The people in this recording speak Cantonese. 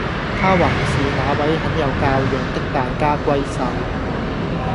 她還是那位很有教養的大家閏秀